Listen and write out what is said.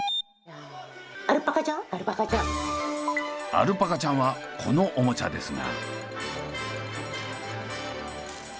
アルパカちゃんはこのオモチャですが。